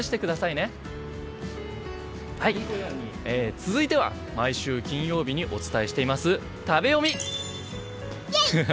続いては毎週金曜日にお伝えしています食べヨミ。